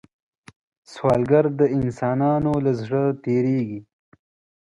سوالګر د انسانانو له زړه تېرېږي